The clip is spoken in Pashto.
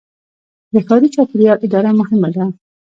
د ښاري چاپیریال اداره مهمه ده.